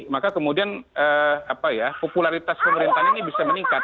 maka kemudian apa ya popularitas pemerintah ini bisa meningkat